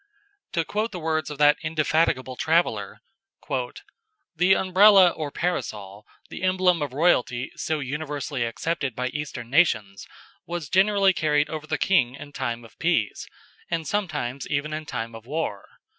To quote the words of that indefatigable traveller: "The Umbrella or Parasol, the emblem of royalty so universally accepted by eastern nations, was generally carried over the king in time of peace, and sometimes even in time of war.